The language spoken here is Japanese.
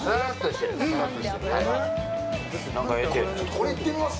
これ、行ってみます？